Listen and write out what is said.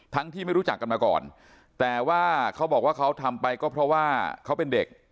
ที่ไม่รู้จักกันมาก่อนแต่ว่าเขาบอกว่าเขาทำไปก็เพราะว่าเขาเป็นเด็ก